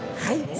はい